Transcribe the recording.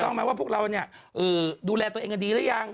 ต้องมาว่าพวกเราดูแลตัวเองกันดีหรือยัง